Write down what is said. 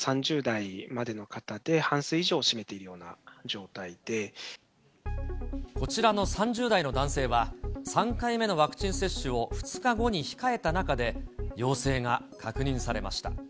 ３０代までの方で半数以上を占めこちらの３０代の男性は、３回目のワクチン接種を２日後に控えた中で、陽性が確認されました。